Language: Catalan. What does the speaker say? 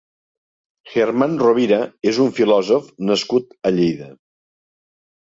German Rovira és un filòsof nascut a Lleida.